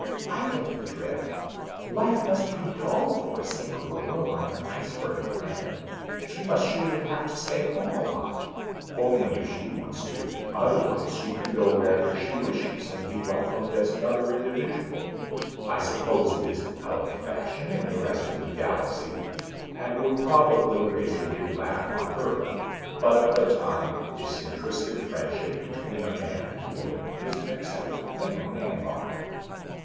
"I get the drift. Life must be dull for a single girl on your iceberg planet. She must surely have to stay home a lot." "Only if she wants to. Otherwise she can go wherever she wishes and be welcomed as another individual. I suppose it is out of fashion in the rest of the galaxy and would probably raise a big laugh on Earth but a platonic, disinterested friendship between man and woman is an accepted thing on Anvhar."